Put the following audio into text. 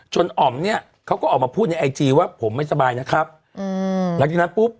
อ๋อมเนี่ยเขาก็ออกมาพูดในไอจีว่าผมไม่สบายนะครับอืมหลังจากนั้นปุ๊บ